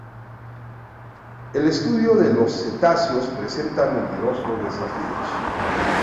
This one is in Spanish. El estudio de los cetáceos presenta numerosos desafíos.